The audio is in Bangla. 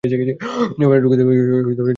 জাপানের টোকিওতে জন্মগ্রহণ করেন তিনি।